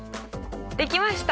できました！